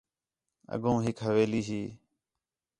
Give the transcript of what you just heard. اڳّوں ہِک حویلی ہی